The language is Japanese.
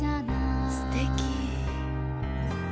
すてき！